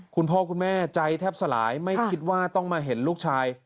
คุณพ่อคุณแม่ใจแทบสลายไม่คิดว่าต้องมาเห็นลูกชาย